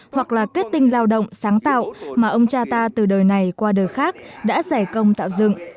hoặc là kết tinh lao động sáng tạo mà ông cha ta từ đời này qua đời khác đã giải công tạo dựng